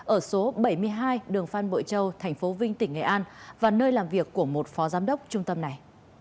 ở số bảy mươi hai đường phan bội châu thành phố vinh tỉnh nghệ an và nơi làm việc của một phó giám đốc trung tâm này